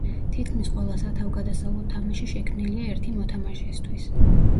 თითქმის ყველა სათავგადასავლო თამაში შექმნილია ერთი მოთამაშისთვის.